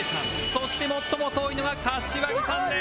そして最も遠いのが柏木さんです